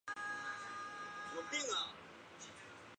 多家音乐学院有提供写作歌曲的文凭及学位课程。